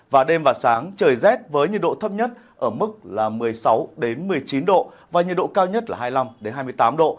và đêm và sáng trời rét với nhiệt độ thấp nhất ở mức một mươi sáu một mươi chín độ và nhiệt độ cao nhất là hai mươi năm hai mươi tám độ